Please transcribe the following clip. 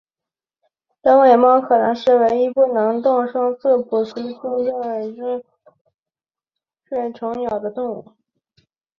短尾猫可能是唯一能不动声色成功掠食美洲鹤成鸟的动物。